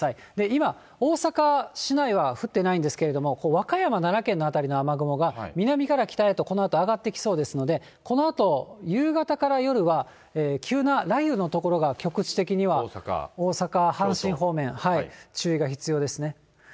今、大阪市内は降ってないんですけれども、和歌山、奈良県辺りの雨雲が南から北へとこのあと上がってきそうですので、このあと夕方から夜は、急な雷雨の所が、局地的には、大阪、阪神方面、注意が必要ですね。